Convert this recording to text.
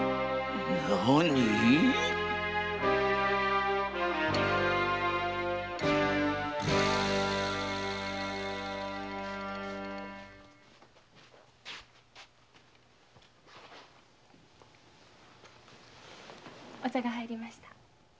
なに⁉お茶が入りました。